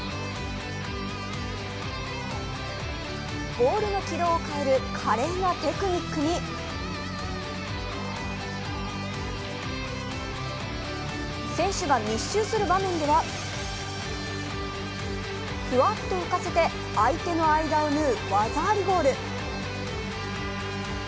ボールの軌道を変える華麗なテクニックに選手が密集する場面ではふわっと浮かせて相手の間を縫う技ありゴール。